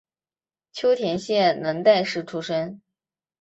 秋田县能代市出身。